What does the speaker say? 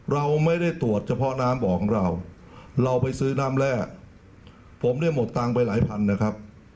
เราไม่ได้ตรวจเฉพาะน้ำออกของเราเราไปซื้อน้ำแร่ผมเนี่ยหมดตังค์ไปหลายพันนะครับ